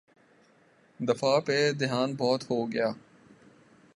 دفاع پہ دھیان بہت ہو گیا۔